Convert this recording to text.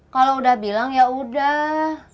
kalau udah bilang yaudah